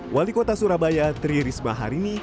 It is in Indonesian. wali kota surabaya tri risma harini